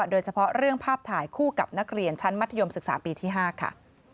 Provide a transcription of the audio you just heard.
โดยเฉพาะเรื่องภาพถ่ายคู่กับนักเรียนชั้นมัธยมศึกษาปีที่๕ค่ะ